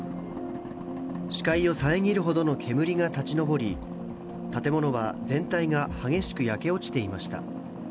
視界を遮るほどの煙が立ち上り、建物は全体が激しく焼け落ちていました。